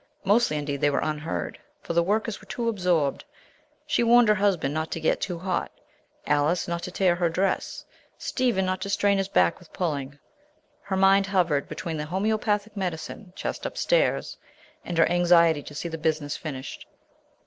Mostly, indeed, they were unheard, for the workers were too absorbed. She warned her husband not to get too hot, Alice not to tear her dress, Stephen not to strain his back with pulling. Her mind hovered between the homeopathic medicine chest upstairs and her anxiety to see the business finished.